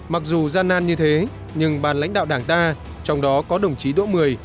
mặc dù gian nan như thế nhưng bàn lãnh đạo đảng ta trong đó có đồng chí đỗ mười